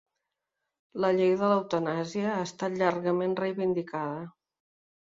La llei de l'eutanàsia ha estat llargament reivindicada